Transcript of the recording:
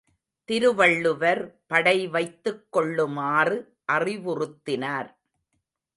திருவள்ளுவர் படை வைத்துக்கொள்ளுமாறு அறிவுறுத்தினார்.